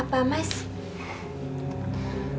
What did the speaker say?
kenapa tadi kamu gugup